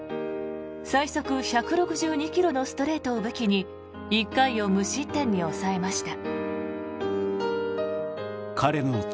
最速１６２ｋｍのストレートを武器に１回を無失点に抑えました。